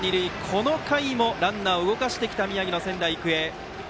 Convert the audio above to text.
この回もランナーを動かしてきた宮城の仙台育英。